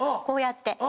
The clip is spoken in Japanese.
こうやって。